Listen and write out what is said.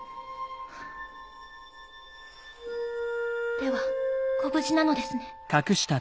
ではご無事なのですね。